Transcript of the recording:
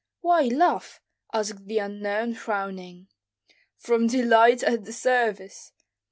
"Why laugh?" asked the unknown, frowning. "From delight at the service."